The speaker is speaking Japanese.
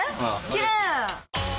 きれい！